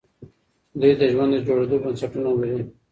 دوی د ژوند د جوړېدو بنسټونه لري.